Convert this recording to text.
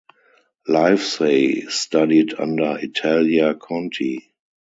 Livesey studied under Italia Conti.